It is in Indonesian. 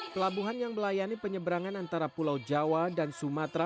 pelabuhan yang melayani penyeberangan antara pulau jawa dan sumatera